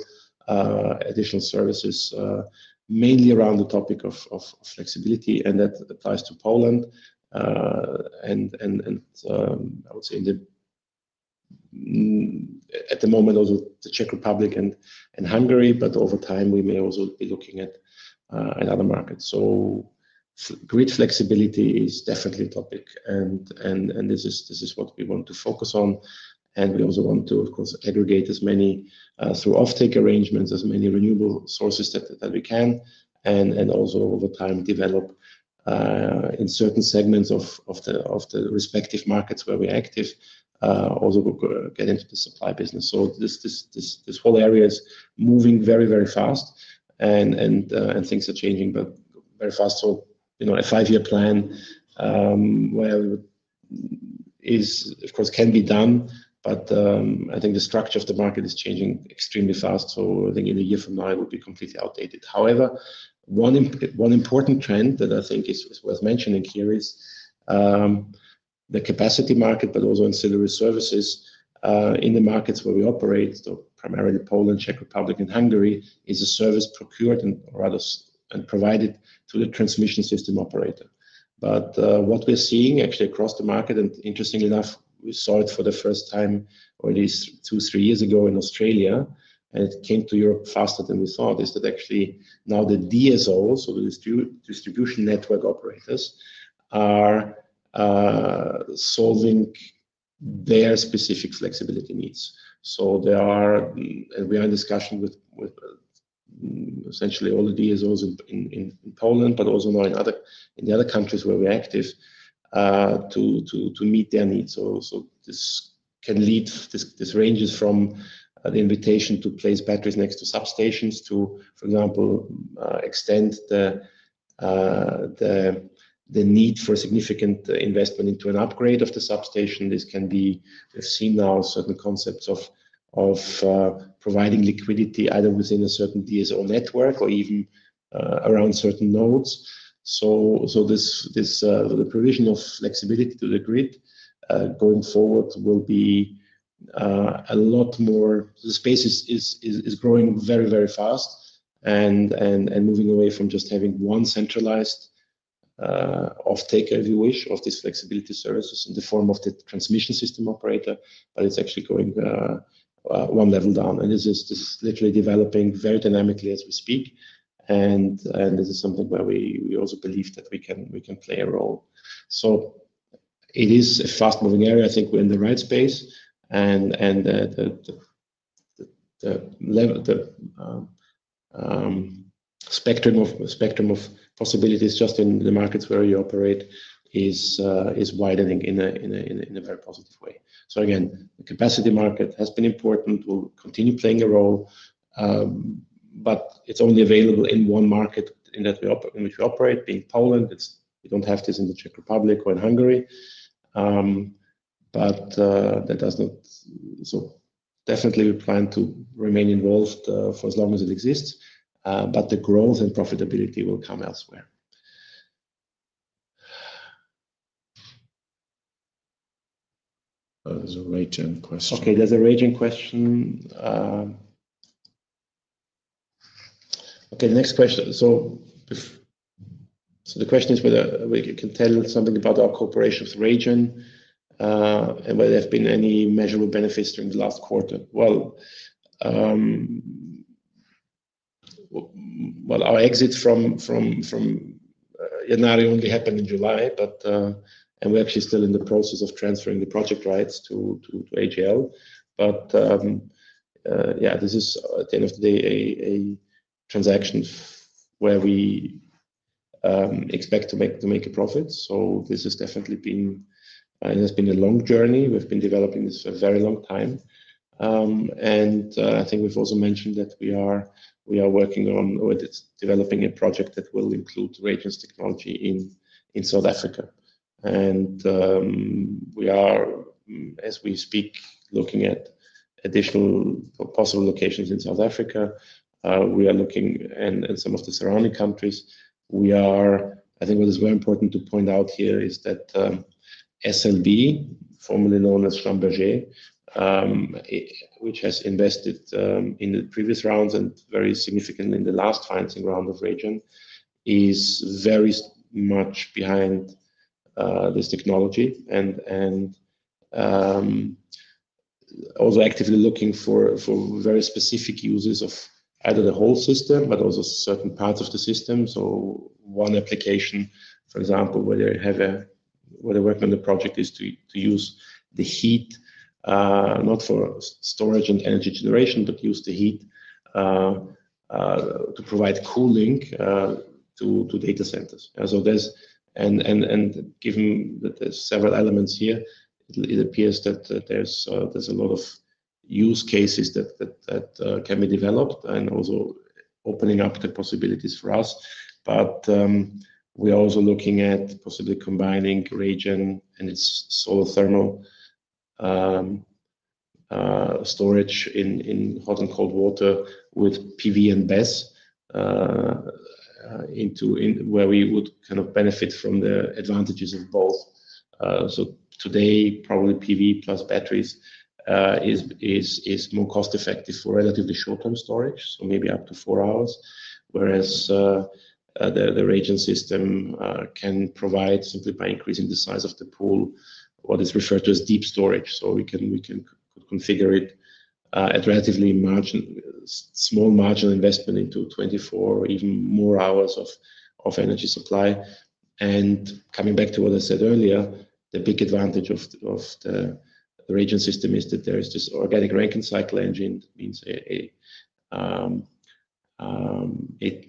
additional services, mainly around the topic of flexibility. That applies to Poland and, I would say at the moment, also the Czech Republic and Hungary. Over time, we may also be looking at other markets. Grid flexibility is definitely a topic, and this is what we want to focus on. We also want to, of course, aggregate as many, through off-take arrangements, as many renewable sources that we can. Over time, develop in certain segments of the respective markets where we're active, also get into the supply business. This whole area is moving very, very fast, and things are changing very fast. You know, a five-year plan, where we would is, of course, can be done. I think the structure of the market is changing extremely fast. I think in a year from now, it would be completely outdated. However, one important trend that I think is worth mentioning here is the capacity market, but also ancillary services in the markets where we operate. Primarily Poland, Czech Republic, and Hungary is a service procured and rather provided through the transmission system operator. What we're seeing actually across the market, and interestingly enough, we saw it for the first time, or at least two, three years ago in Australia, and it came to Europe faster than we thought, is that actually now the DSOs, so the distribution network operators, are solving their specific flexibility needs. We are in discussion with essentially all the DSOs in Poland, but also now in the other countries where we're active, to meet their needs. This can lead, this ranges from the invitation to place batteries next to substations to, for example, extend the need for significant investment into an upgrade of the substation. We've seen now certain concepts of providing liquidity either within a certain DSO network or even around certain nodes. The provision of flexibility to the grid, going forward, will be a lot more. The space is growing very, very fast and moving away from just having one centralized off-take, if you wish, of these flexibility services in the form of the transmission system operator. It's actually going one level down. This is literally developing very dynamically as we speak, and this is something where we also believe that we can play a role. It is a fast-moving area. I think we're in the right space, and the level, the spectrum of possibilities just in the markets where you operate is widening in a very positive way. Again, the capacity market has been important. We'll continue playing a role. It's only available in one market in which we operate, being Poland. We don't have this in the Czech Republic or in Hungary. We definitely plan to remain involved for as long as it exists, but the growth and profitability will come elsewhere. Oh, there's a RayGen question. Okay. There's a RayGen question. Next question. The question is whether we can tell something about our cooperation with RayGen, and whether there have been any measurable benefits during the last quarter. Our exit from Yadnarie only happened in July, and we're actually still in the process of transferring the project rights to AGL. This is, at the end of the day, a transaction where we expect to make a profit. This has definitely been a long journey. We've been developing this for a very long time. I think we've also mentioned that we are working on or developing a project that will include RayGen's technology in South Africa. We are, as we speak, looking at additional possible locations in South Africa. We are looking in some of the surrounding countries. I think what is very important to point out here is that SMB, formerly known as Schlumberger, which has invested in the previous rounds and very significantly in the last financing round of RayGen, is very much behind this technology and also actively looking for very specific uses of either the whole system, but also certain parts of the system. One application, for example, where they're working on the project is to use the heat not for storage and energy generation, but use the heat to provide cooling to data centers. Given that there are several elements here, it appears that there are a lot of use cases that can be developed and also opening up possibilities for us. We are also looking at possibly combining RayGen and its solar thermal storage in hot and cold water with PV and BESS, where we would kind of benefit from the advantages of both. Today, probably PV plus batteries is more cost-effective for relatively short-term storage, so maybe up to four hours. Whereas the RayGen system can provide, simply by increasing the size of the pool, what is referred to as deep storage. We can configure it, at relatively small marginal investment, into 24 or even more hours of energy supply. Coming back to what I said earlier, the big advantage of the RayGen system is that there is this organic ranking cycle engine. It means a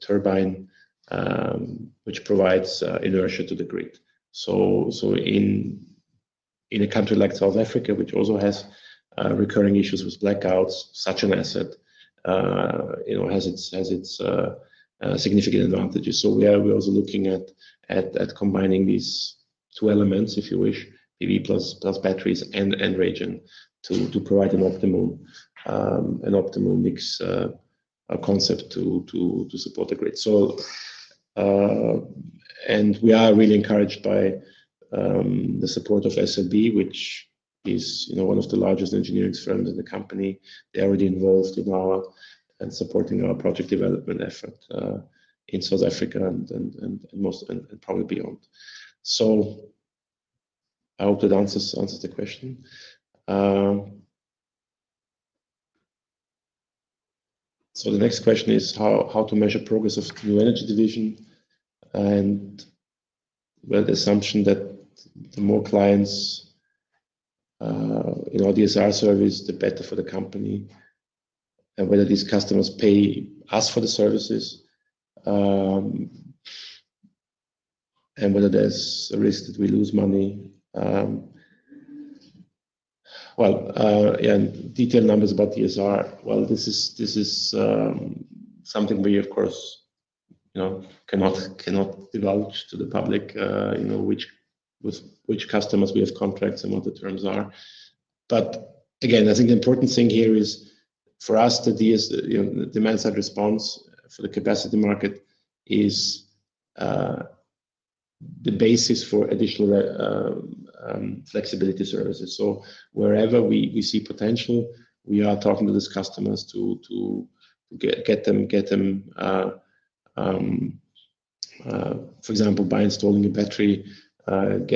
turbine, which provides inertia to the grid. In a country like South Africa, which also has recurring issues with blackouts, such an asset has its significant advantages. We are also looking at combining these two elements, if you wish, PV plus batteries and RayGen to provide an optimal mix concept to support the grid. We are really encouraged by the support of SMB, which is one of the largest engineering firms in the company. They're already involved in and supporting our project development effort in South Africa and probably beyond. I hope that answers the question. The next question is how to measure progress of the new energy division and the assumption that the more clients, you know, DSR service, the better for the company, and whether these customers pay us for the services, and whether there's a risk that we lose money. Detailed numbers about DSR, this is something we, of course, cannot divulge to the public, which customers we have contracts with and what the terms are. The important thing here is for us to be as, you know, demand-side response for the capacity market is the basis for additional flexibility services. Wherever we see potential, we are talking to these customers to get them, for example, by installing a battery, or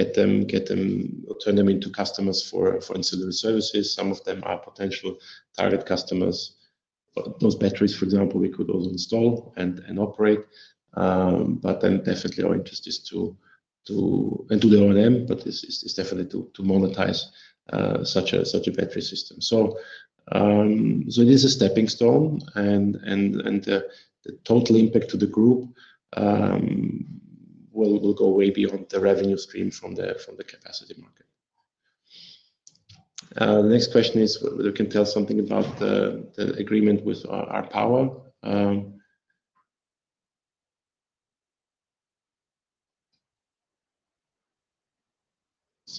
turn them into customers for incident services. Some of them are potential target customers. Those batteries, for example, we could also install and operate. Our interest is to, and to the O&M, but this is definitely to monetize such a battery system. It is a stepping stone, and the total impact to the group will go way beyond the revenue stream from the capacity market. The next question is whether we can tell something about the agreement with R. Power.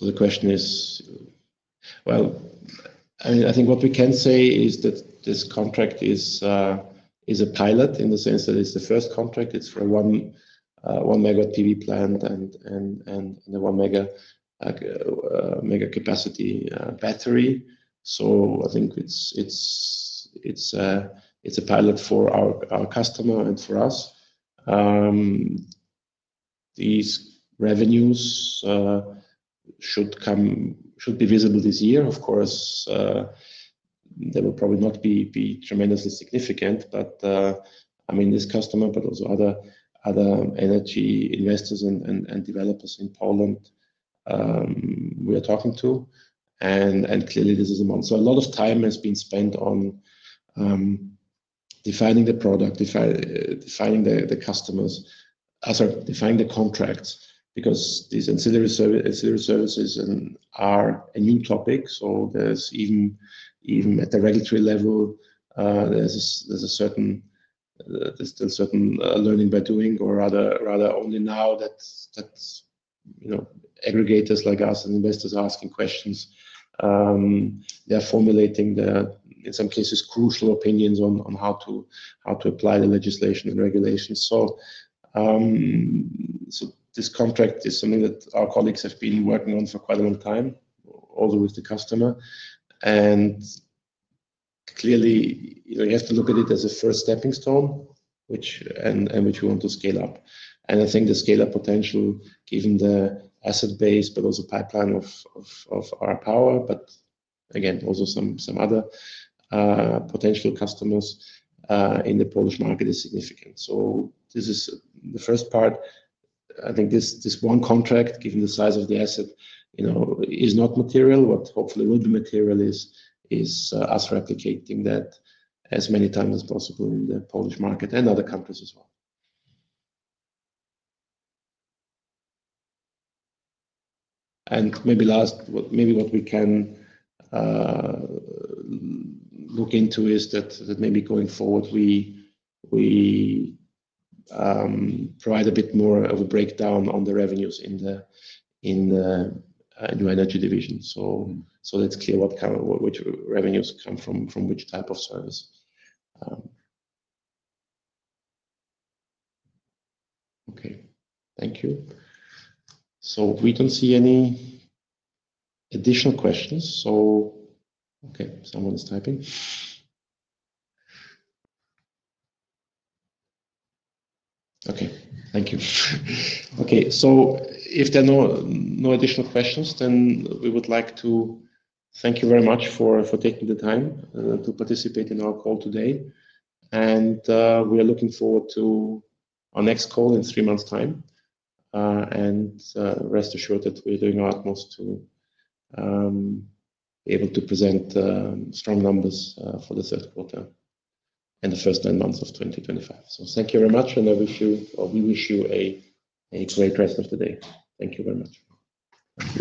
The question is, I think what we can say is that this contract is a pilot in the sense that it's the first contract. It's for a one-megawatt PV plant and a one-megacapacity battery. I think it's a pilot for our customer and for us. These revenues should be visible this year. Of course, they will probably not be tremendously significant, but I mean, this customer, but also other energy investors and developers in Poland we are talking to. Clearly, this is a model. A lot of time has been spent on defining the product, defining the customers, sorry, defining the contracts because these ancillary services are a new topic. Even at the regulatory level, there's still certain learning by doing or rather only now that aggregators like us and investors are asking questions. They're formulating, in some cases, crucial opinions on how to apply the legislation and regulations. This contract is something that our colleagues have been working on for quite a long time, also with the customer. Clearly, you have to look at it as a first stepping stone, which we want to scale up. I think the scale-up potential, given the asset base, but also pipeline of our power, but again, also some other potential customers in the Polish market is significant. This is the first part. I think this one contract, given the size of the asset, is not material. What hopefully will be material is us replicating that as many times as possible in the Polish market and other countries as well. Maybe last, maybe what we can look into is that maybe going forward, we provide a bit more of a breakdown on the revenues in the new energy division. Let's clear what kind of which revenues come from which type of service. Okay. Thank you. We don't see any additional questions. Okay, someone is typing. Okay. Thank you. If there are no additional questions, then we would like to thank you very much for taking the time to participate in our call today. We are looking forward to our next call in three months' time. Rest assured that we're doing our utmost to be able to present strong numbers for the third quarter and the first nine months of 2025. Thank you very much. I wish you, or we wish you, a great rest of the day. Thank you very much.